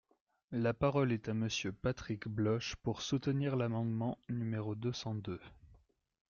La parole est à Monsieur Patrick Bloche, pour soutenir l’amendement numéro deux cent deux.